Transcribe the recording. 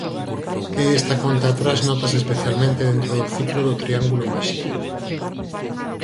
E esta conta atrás nótase especialmente dentro do ciclo do triángulo máxico.